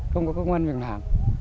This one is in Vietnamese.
không có công an việc làm